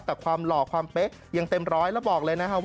แต่ความหล่อความเป๊ะยังเต็มร้อยแล้วบอกเลยนะครับว่า